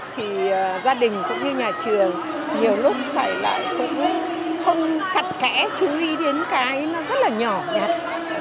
thì gia đình cũng như nhà trường nhiều lúc phải là cũng không chặt kẽ chú ý đến cái nó rất là nhỏ bé